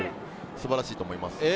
素晴らしいと思います。